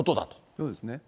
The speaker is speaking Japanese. そうですね。